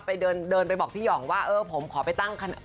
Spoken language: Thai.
ไปเดินไปบอกพี่ห่องว่าเออผมขอไปตั้งคัน